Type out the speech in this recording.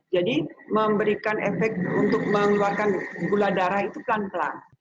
jadi memberikan efek untuk mengeluarkan gula darah itu pelan pelan